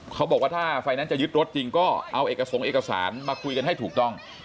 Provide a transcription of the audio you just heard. เขาบอกว่าถ้าไฟแนนซ์จะยึดรถจริงก็เอาเอกสงค์เอกสารมาคุยกันให้ถูกต้อง